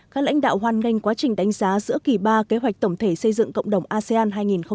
các lãnh đạo hoan nghênh quá trình đánh giá giữa kỳ ba kế hoạch tổng thể xây dựng cộng đồng asean hai nghìn hai mươi năm